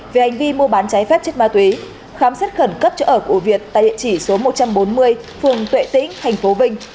về hành vi mua bán trái phép chất ma túy khám xét khẩn cấp chỗ ở của việt tại địa chỉ số một trăm bốn mươi phường tuệ tĩnh thành phố vinh